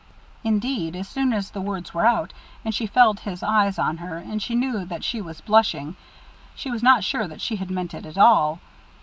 Indeed, as soon as the words were out, and she felt his eyes on her, and she knew that she was blushing, she was not sure that she had meant it at all.